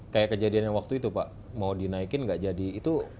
kayak kejadiannya waktu itu pak mau dinaikin gak jadi itu